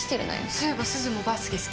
そういえばすずもバスケ好きだよね？